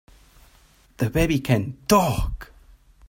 The baby can TALK!